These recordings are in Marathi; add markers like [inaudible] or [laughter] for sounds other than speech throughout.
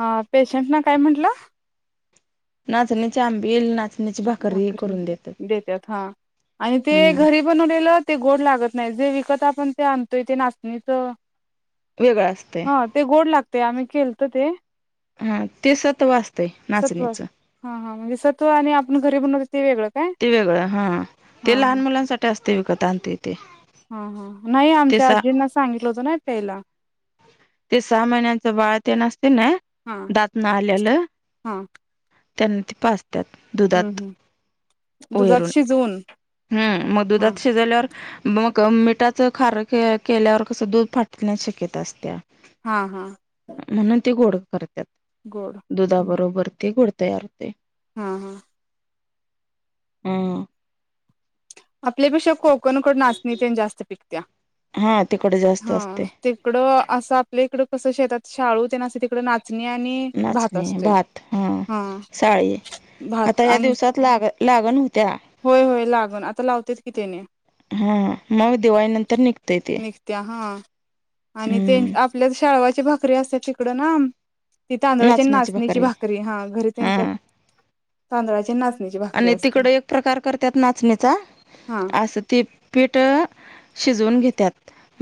हा पेशंट ना काय म्हंटलं नाचण्याचे आंबी नाचण्याची भाकरी करून देतात देतात हा आणि ते हम्म घरी बनवलेलं ते गोड लागत नाही जे विकत आपण ते आणतोय ते नाचणीचं वेगळं असते लागते ते आम्ही खलतो ते हा ते सतव वाचतंय सत्व नाचणीचं हा हा म्हणजे आणि आपण घरी ब ते वेगळं हा हा ते लहान मुलांसाठी असते विकत आणते हा हा नाही आमच्या आजींना सांगितलं होतं ना त्याला ते सहा महिन्यांच बाळ ते नसते ना हा दातन आलेलं हा त्यांना ते पाचत्याात हम्म दुधात हम्म दुधात वरून शिजवून हम्म मग हा दुधात शिजल्यावर. मग मिठाचं खार के केल्यावर कसं दूध फाटण्या शक्येत असत्या. हा हा म्हणून ते गोड करतात गोड दुधाबरोबर ते गोड. तयार ते. हा हां हम्म आपलेपेक्षा कोकणकड नाचणी ते जास्त पिकत्या. हा तिखट जास्त हा असतंय तिकडं असं आपल्या इकडं कसं शेतात शाळू ते नां तिकड नाच नाचणी भात हा साळी भात आता या आणि दिवसात लाग लागण होती. होय होय लागून आता लावतेच कि त्यांनी. हा मग दिवाळी नंतर निघतय ते. निघत्या हा आणि त्यां हम्म आपल्या शाळवाची भाकरी असते तिकडं ना ती तांदळाच्या नाचण्याची भाकरी हा घरी त्यांच्यात तांदळाच्या नाच ची भाकरी आणि असते. तिकडे एक प्रकार करतात नाचण्याचा हा असं ती पीठ शिजवून घेतात.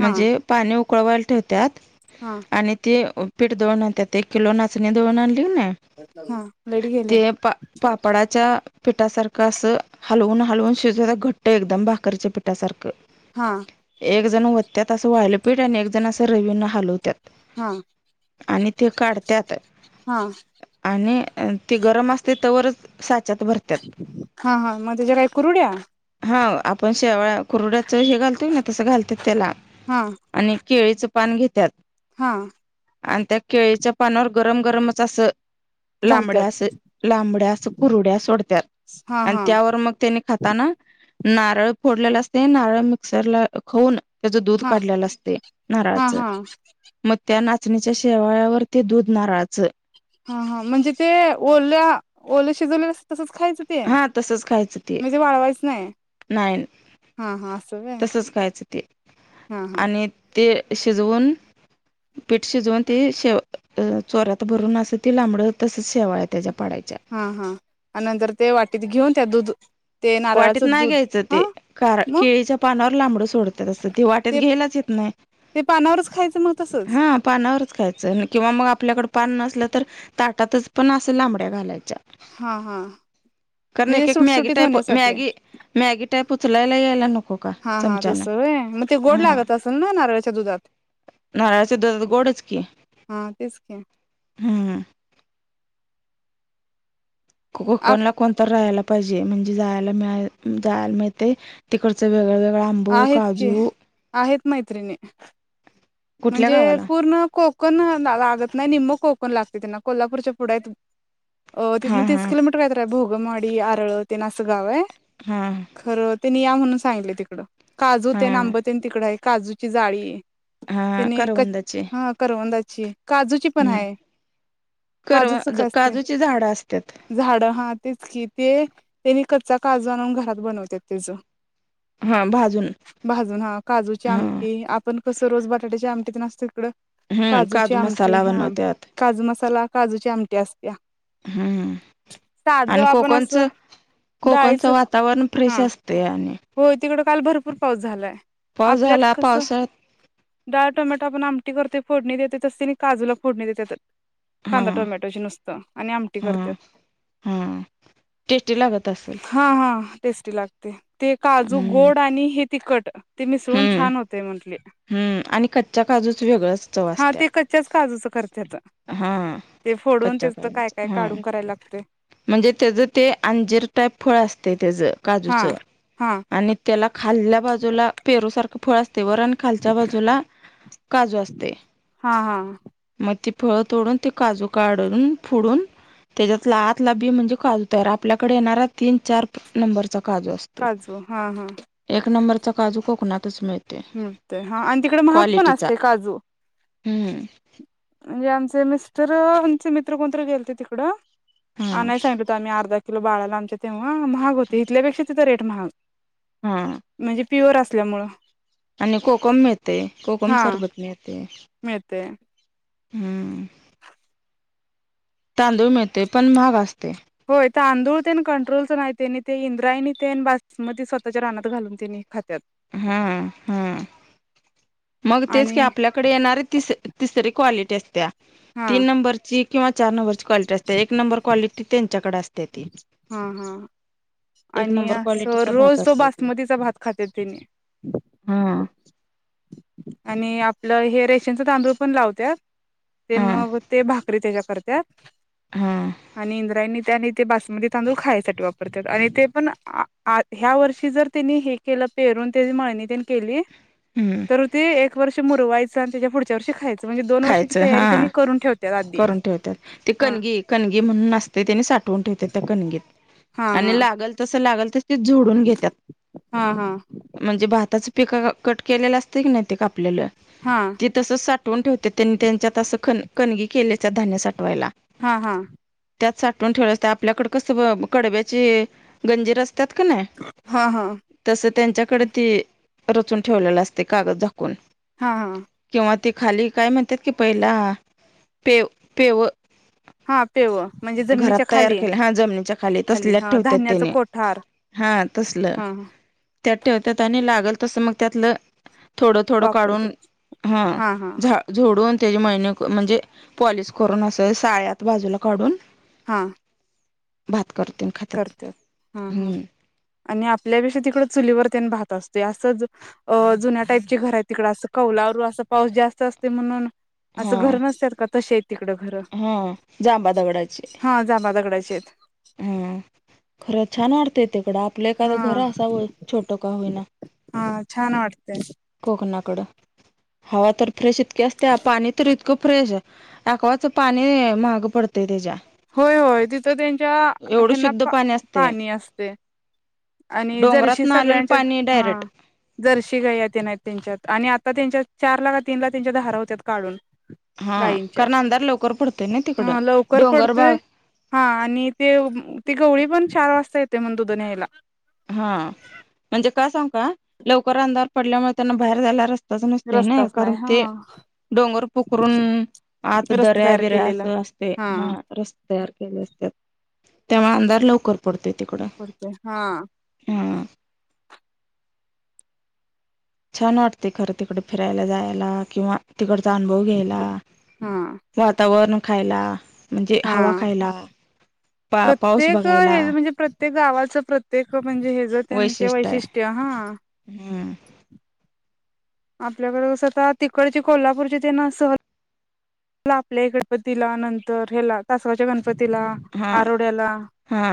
हा पाणी उकळवायला ठेवतात हा आणि ते पीठ दळून आण त्या एक किलो नाचणी दळून आणली डच्या हा लाईट गेल्या ते पाप पापडाच्या पिठासारखं असं हलवून हलवून शिजवत घट्ट एकदम भाकरीच्या पिठासारखं. हां एक जण ओतण्यात असं वायलपीठ आणि एक जण असं रवींना हलवतात. हां आणि ते काढत्यात आणि ते गरम असते तरवरच साचात हा हा मझ जराय करुड्या आहे. व कुरड्याच हे घालतो ना तसं घालतात त्याला आणि केळीचं पान घेत्यात. हां आणि त्या केळीच्या पानावर गरम गरमच असं. घालत्यात लांबड्यास लांबड्यास कुरड्या सोडत हा आणि हा त्यावर मग त्यानी खाताना नारळ फोडलेला असते नारळ मिक्सरला खाऊन त्याच दूध हा काढलेलं असते हा नारळाच हा मग त्या ना चाचणीच्या शेवाळ्यावर ते दूध नाराचं. हा हा म्हणजे ते ओल्या ओले शिजवले तसंच. खायचं ते हा तसंच खायच ते म्हणजे वाळवायचं नाही नाय. हा हा असं व्हय तसच खायचं ते हा हा आणि ते शिजवून पीठ शिजवून ते शेव चोरात भरून असं ती लांबडं होत तसच शेवाळ. हा हा आणि नंतर ते वाटीत घेऊन त्या दूध ते वाटीत नारळाचं नाही दूध घ्यायचं ते हा कार मग केळीच्या पानावर लांबड सोडत्यात असं ते वाटीत घ्यायलाच येत नाय. ते पानावरच खायचं मग तसच. पानावरच किंवा मग आपल्याकडे पान नसलं तर ताटातच पण असं लांबड्या घालाय. हा हा कारण म्हणजे एक एक मॅगी सुटसुटीत टाइप होण्यासाठी मॅगी मॅगी टाईप उचलायला यायला नको का हा हा चमचानं तसं व्हय मग ते गोड हा लागत असेल ना नारळाच्या दुधात नारळाच्या दुधात गोडच की हा तेच की हम्म. आप कोकणला कोणता राहायला. पाहिजे म्हणजे जायला मिळाय जायला मिळतंय तिकडच वेगळ वेग व आंब, आहेत की काजू आहेत मैत्रिणी कुठल्या म्हणजे गावाला पूर्ण कोक कोकण [unintelligible] लागत नाही निम्म कोकण लागते त्यांना कोल्हापूरच्या पुढ आहेत. अ तिथून हां तीस हां किलोमीटर कायतरी आय भोगमवाडी आरळ तेन असं गाव हाय. हा. त्यांनी या म्हणून सांगितलय तिकडं काजू तेन हां आंब तेन तिकडं आय काजूची जाळीये हां त्याने कच करवंदाचे हा करवंदाची काजूची पण हाय. करवा ज काजूची झाडं आस झाड हा तेच की ते त्यांनी कच्चा काजू आणून घरात बनवत्यात. तेचं. हां भाजून भाजून हा काजूची आमटी आपण कसं रोज बटाट्याच्या आमटीत तेन असते इकड हां काजूची काजू आमटी मसाला हा बनवतात काजू मसाला काजूची आमटी अस या हम्म [unintelligible] साधं आणि आपण असं कोकणचं कोकणचं डाळीचं वातावरण फ्रेश असतयाआणि इकडं काल भरपूर पाऊस झालाय आपल्यात झाला कसं पावसाळ्यात डाळ टोमॅटो आपण आमटी करतोय फोडणी देतोय तस त्यांनी काजूला फोडणी देत्यात. कांदा हां टोमॅटोचे नुसता आणि आमटी हां करत्यात. हां टेस्टी लागत असंल हा हा टेस्टी लागते ते काजू गोड आणि हे तिखट ते मिसळून हम्म छान होतय म्हंटले हम्म आणि कच्च्या काजूच वेगळंच चव हा असते ते कच्च्याच काजूचं. हा कच्च्या त्याच काय काय काजुचं हा. काढून करायला लागतय. म्हणजे त्याज ते अंजीर टाईप फळ असतय त्याज हा काजूचं. हा आणि त्याला खाल्ल्या बाजूला पेरूसारखं फळ अस वर आणि खालच्या बाजूला काजू असतयं हा हा म ती फळ तोडून ते काजू काढून फोडून त्याज्यातला आत त्यातला बी म्हणजे काजू तयार आपल्याकडे येणारा तीन चार नंबर. चा काजू असतोय काजू हा हा एक नंबरचा काजू कोकणातच मिळ पण हा आणि तिकडं महाग पण असतय काजू हम्म. म्हणजे आमचे मिस्टर आमचे मित्र कोणतरी गेलते तिकडं हा आणाय सांगितलं होतं आम्ही अर्धा किलो बाळाला आमच्या तेव्हा महाग होते इथल्यापेक्षा तिथं रेट महाग. हा. म्हणजे प्युअर असल्यामुळं. आणि कोकम मिळतयं कोकम हा सरबत मिळतयं. मिळतय हम्म. तांदूळ मिळते पण महाग असते. होय त तांदूळते आणि कंट्रोलच नाही त्यांनी ते इंद्रायणी ते बासमती स्वतःच्या रानात घालून त्यांनी खात्यात हा हा. मग तेच आणि आपल्याकडे येणारे तिस तिस क्वालिटी तेच त्या हा तीन नंबरची किंवा चार नंबरची कॉलीटी असते एक नंर क्वालिटी त्यांच्याकडे अस हा हा एक आणि नंबर अस क्वालिटीचा भात रोज तो असतो बासमतीचा भात खाते ते. [unintelligible] हा आणि आपलं हे रेशनचा तांदूळ पण लावत्यात ते हा मग ते भाकरी त्याच्या कर हा आणि इंद्रायनी त्यानी ते बासमती तांदूळ खायसाठी वापरतात आणि ते पण आ त ह्या वर्षी जर त्यांनी हे केलं पेरून त्या माळणीनी केली हम्म तर ते एक वर्ष मुरवायच आणि त्याच्या पुढच्या वर्षी खायचं. म्हणजे दोन वर्षाची खायचं हा तयारी त्यांनी करून ठेवतात आधी करून ठेवतात ते हा कणगी कणगी म्हणून असते त्याने साठ ठेवतया कणगी हा हा आणि लागल तस लागल तस ते जोडून घेत्यात हा हा म्हणजे भाताच पिका कट केलेला असत की नाही ते काप आपलंल हा ती तस साठवून ठेवते त्यांनी त्यांच्यात असं ख खणगी केल्याच धान्य साठवायला. हा हा. त्यात साठवून ठेव असते आपल्याकड कसं ब कडब्याची गंजीर अस त्यात कनाय हा हा तस त्यांच्याकड ते रचून ठेवलेलं असते. कागद झाक कोन हा हा किंवा ते खाली काय म्ह त्यात की पहिला पेव, पेव. हा पेव. म्हणजे घरात जमिनीच्या तयार खाली केले हा जमनीच्या खाली तसल्यात हा ठेवतात धान्याच त्याने. कोठार हा तसल हा त्यात ठेवतत आणि लागल तसं मग त्यातलं थोडं थोडं वापरतात काढून हां हा हा झा झोडून त्याचे महिने म्हणजे पॉलिश करून असं साळ्यात बाजूला काढून हां. भात करते आणि खातात करते हां हां हम्म आणि आपल्याविषी तिकड चुलीवर त्यां भात अस ते असंच अ जुन्या टाईप ची घरं आहेत. तिकडं असं कौलारू आसं पाऊस जास्त असत म्हणून असं हा घर नसतात का तसे? तिकडं घरं हा जांबा दगडाची हां जांबा दगडाचेेत. हा खरं छान वाटतंय तिकडं आपलं एखादं घर हा असावं छोटं का होईना. हा छान वाटतय. कोकनाकडं. हवा तर फ्रेश इतकीे असत्या पाणी तर इतकं फ्रेश आकवाच पाणी महाग पडतेय त्याच्या. होय होय तिथं त्यांच्या एवढं हेना शुद्ध असतंय पाणी असते. आणि जर्शी डोंगरातनं आलेलं सगळ्यांच्या पाणी हां डायरेक्ट जर्शी गायी आतेन. नायत त्यांच्यात आणि आता त्यांच्या चार ला का तीन ला त्यांच्या धारा होत्या काढून. हा गायींच्या कारण अंधार लवकर पडतय ना तिकडं हा लवकर डोंगर पडतोय भाग हा आणि ते ती गवळी पण चार वाजता येते म्हण दुध न्यायला. हां म्हणजे का सांगू का लवकर अंधार पडल्यामुळे त्यांना बाहेर जायला र स्ता नसते नाय रस्ताच कारण नाही ते हा डोंगर पोखरून आत रस्ता दर्या तयार बिऱ्या केलेला. असं असते हा रस्ते तयार केले असतत. तेव्हा अंधार लवकर पडते. पडते हां. हम्म. छान वाटते खरं तिकड फिरायला जायला किंवा तिकड चा अनुभव घ्यायला हा वातावरण खायला. म्हणजे हा हवा खायला, पा पाऊस बघायला. ते गावाचं प्रत्येक म्हणजे हे ज ते ते वैशिष्ट्य हां हम्म आपल्याकडं स्वतः तिकडचे कोल्हापूरची ते ना सहल. ला आपले गणपतीला नंतर ह्येला तासगावच्या गण पतीला हा आरोड्याला हा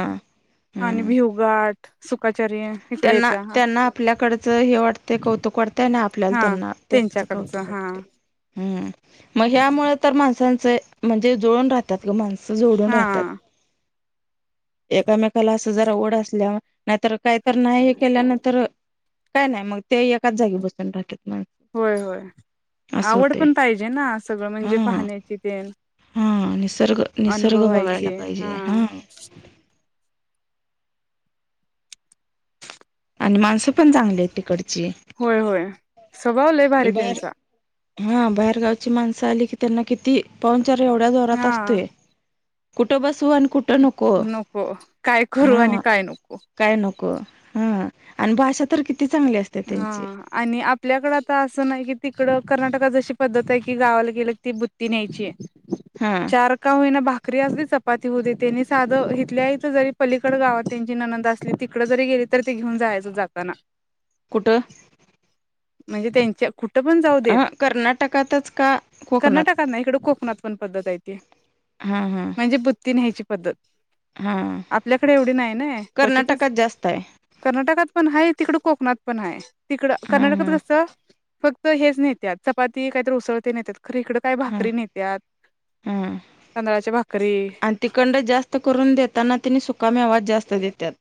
आणि हम्म भिवगाठ सुका त्यांना त्यांना आपल्याकडचं हे वाटतंय कौतुक वाटतंय ना आप पल्याला हा त्यांना त्यांचं त्यांच्याकडचं कवतूक हा वाटते. हम मग ह्या मूळं तर माण सांचे म्हणजे जोळून राहतात ग माणस जोडून हा राहतात. एकामेकाला असं जरा ओढ असल्या नाहीतर काहीतर नाही केल्यानंतर काय नाय मग ते एकाच जागी बसून राहत्यात. होय होय. आवड होते पण पाहिजे ना सगळं हा म्हणजे पाहण्याची तेन हा निसर्ग निसर्ग बघायला अनुभवायचे पाहिजे हां. हा आणि माणसं पण चांगली आहेत तिकडं. होय होय, स्वभाव लय भारी त्यांचा. हां बाहेरगावची माणसं आली की त्यांना किती पाऊनचार एवढ्या जोरात हा असतेय. सुण कुठं नको काय करू आणि हा काय नको काय नको हा. आणि भाषा तर कित हां आणि आपल्याकडं ता असं नाही कि तिकडं कर्नाटकात जशी पद्धत आहे की गावाला गेलं ती बुतीन्यायची आहे. हा चार का होईना बाकी क असली चपाती हो दे त्यांनी साधं इथल्याथ जरी पलीकड गावात त्यांची ननंद असली तिकडे जरी गेली. तर ते घेऊन जायचं जाताना. कुठं? म्हणजे त्यांच्या कुठ पण जाऊ देत. हा कर्नाटकातच का कोकणात कर्नाटकात ना इकड कोकणात पद्धत आहे. त हा हा म्हणजे बुीथी न्यायची पद्धत हा आपल्याकडे एवढी नाही ना. क्वचितच कर्नाटकात जास्त आहे कर्नाटकात पण आहे. तिकड कोकणात पण आहे. तिकड हा हा कर्नाटकात कस. फक्त हेच नेतात चपाती काहीत उसळते नेतात खर इकड काय हा भाकरी नेतात. हा चंद्राचे भाग. आणि तिखंड जास्त करून देताना तिथे सुकामेवाच जास्त देतात.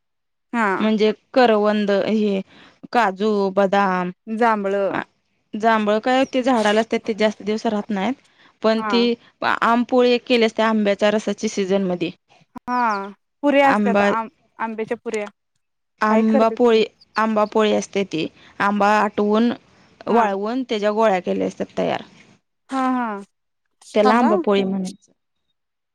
हा म्हणजे करवंद हेच काजू, बदाम आ बळ. जांभळ काय ते झाडाला असतात ते जास्त दिवस राहत नाहीत पण हा ते आम पोळी एक केली असती आंब्याच्या रसाची सीझनमधी हा पुऱ्या असत्यात आं आंब्याच्या पुऱ्या काय आंबा करतात पोळी की आंबा पोळी असते ते आंबा आटवून हा वाळवून त्याच्या गोळ्या केल्या असतात तयार हा हा त्याला थांबा आबा पोळी म्हणे